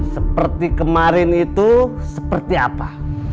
seperti kemarin itu seperti apa